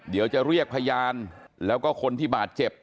เดี๋ยวจะเรียกพยานแล้วก็คนที่บาดเจ็บ